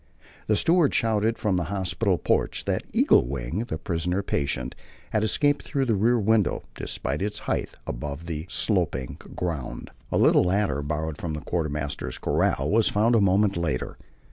The steward shouted from the hospital porch that Eagle Wing, the prisoner patient, had escaped through the rear window, despite its height above the sloping ground. A little ladder, borrowed from the quartermaster's corral, was found a moment later.